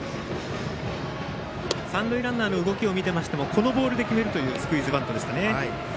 三塁ランナーの動きを見てましてもこのボールで決めるというスクイズバントですかね。